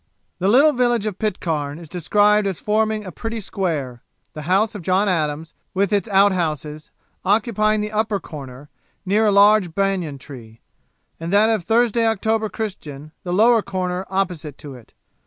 The little village of Pitcairn is described as forming a pretty square; the house of John Adams, with its out houses, occupying the upper corner, near a large banyan tree, and that of Thursday October Christian the lower corner opposite to it.